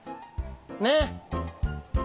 ねっ？